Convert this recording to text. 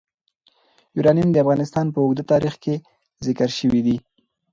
یورانیم د افغانستان په اوږده تاریخ کې ذکر شوی دی.